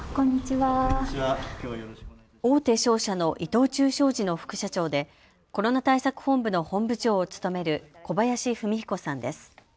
大手商社の伊藤忠商事の副社長でコロナ対策本部の本部長を務める小林文彦さんです。